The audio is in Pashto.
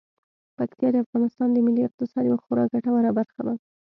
پکتیکا د افغانستان د ملي اقتصاد یوه خورا ګټوره برخه ده.